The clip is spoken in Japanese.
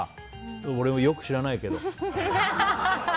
俺もよく知らないけど。